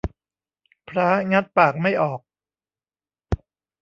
พร้างัดปากไม่ออก